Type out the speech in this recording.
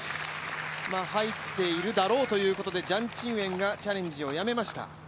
入っているだろうということでジャン・チンウェンがチャレンジをやめました。